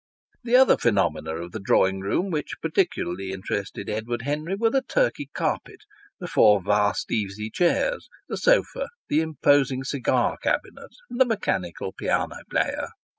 The other phenomena of the drawing room which particularly interested Edward Henry were the Turkey carpet, the four vast easy chairs, the sofa, the imposing cigar cabinet and the mechanical piano player.